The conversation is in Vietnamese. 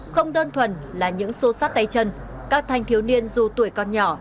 không đơn thuần là những xô sát tay chân các thanh thiếu niên dù tuổi còn nhỏ